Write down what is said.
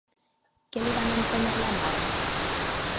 Què li van ensenyar la mare?